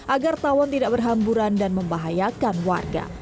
agar tawon tidak berhamburan dan membahayakan warga